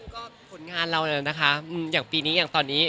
ก็ผลงานเราน่ะนะคะอย่างปีนี้อย่างตอนนี้